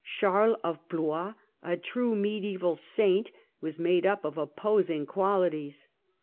Charles of Blois, a true mediaeval saint, was made up of opposing qualities.